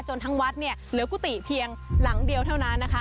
ทั้งวัดเนี่ยเหลือกุฏิเพียงหลังเดียวเท่านั้นนะคะ